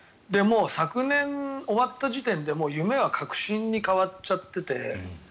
もう昨年終わった時点で夢は確信に変わっちゃってて。